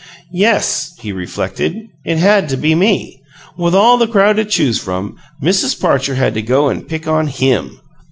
"Yes!" he reflected. "It had to be ME!" With all the crowd to choose from, Mrs. Parcher had to go and pick on HIM!